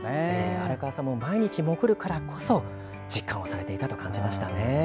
荒川さんも毎日潜るからこそ実感をされていたと感じましたね。